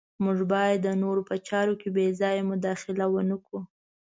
موږ باید د نورو په چارو کې بې ځایه مداخله ونه کړو.